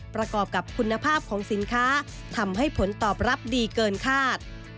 ประกอบกับคุณภาพของสินค้าทำให้ผลตอบรับดีเกินคาด